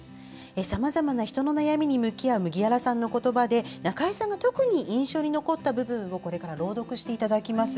さまざまな人の悩みに向き合う麦わらさんの言葉で中江さんが特に印象に残った部分を朗読していただきます。